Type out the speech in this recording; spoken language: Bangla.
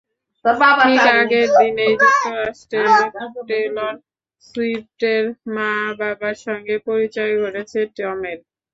ঠিক আগের দিনেই যুক্তরাষ্ট্রে টেলর সুইফটের মা-বাবার সঙ্গে পরিচয় ঘটেছে টমের।